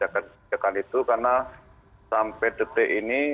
kebijakan itu karena sampai detik ini